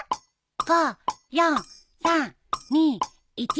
５４３２１。